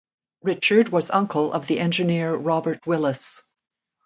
Richard was uncle of the engineer Robert Willis.